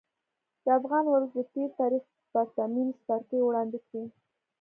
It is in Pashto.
د افغان ولس د تېر تاریخ پرتمین څپرکی وړاندې کړي.